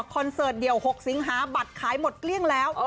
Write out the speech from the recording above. เสิร์ตเดียว๖สิงหาบัตรขายหมดเกลี้ยงแล้ว